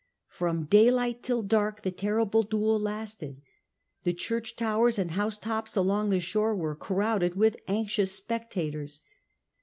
From daylight till dark the terrible duel lasted. The church towers and housetops along the shore were crowded with anxious spectators.